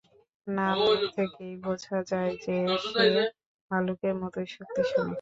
নাম থেকেই বোঝা যায় যে, সে ভাল্লুকের মতই শক্তিশালী।